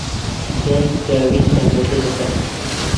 دایک فراوین ئامادە دەکات.